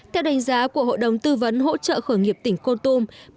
theo đánh giá của hội đồng tư vấn hỗ trợ khởi nghiệp tỉnh con tum